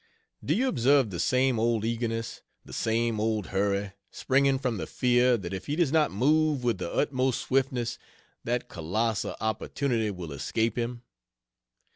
Do you observe the same old eagerness, the same old hurry, springing from the fear that if he does not move with the utmost swiftness, that colossal opportunity will escape him?